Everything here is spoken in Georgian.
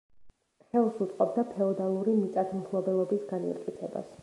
ხელს უწყობდა ფეოდალური მიწათმფლობელობის განმტკიცებას.